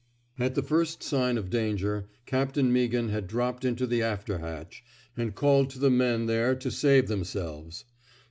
At the first word of danger, Captain Meaghan had dropped into the after hatch, and called to the men there to save them selves.